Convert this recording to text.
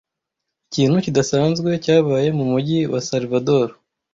Ikintu kidasanzwe cyabaye mumujyi wa Salvador.